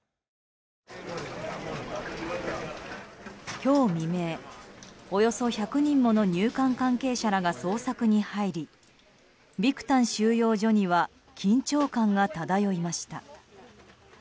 今日未明、およそ１００人もの入管関係者らが捜索に入り、ビクタン収容所には緊張感が漂いました。